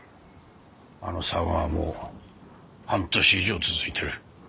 あのさまはもう半年以上続いてる。